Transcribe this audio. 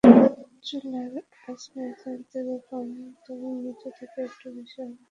চুলার আঁচ মাঝারি থেকে কম, তবে মৃদু থেকে একটু বেশি হবে।